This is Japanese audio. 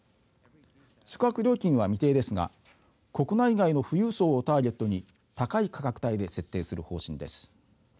宿泊料金は未定ですが国内外の富裕層をターゲットに高い価格帯で設定する方針です。